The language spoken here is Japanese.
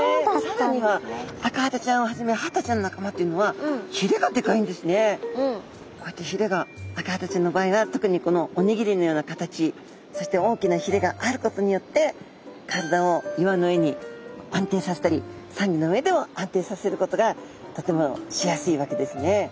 さらにはアカハタちゃんをはじめこうやってヒレがアカハタちゃんの場合は特にこのおにぎりのような形そして大きなヒレがあることによって体を岩の上に安定させたりサンギョの上でも安定させることがとてもしやすいわけですね。